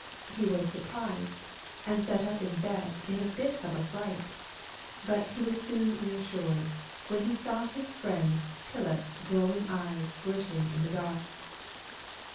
He was surprised and sat up in bed in a bit of a fright; but he was soon reassured when he saw his friend Tylette's glowing eyes glittering in the dark.